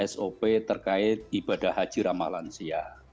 sop terkait ibadah haji ramah lansia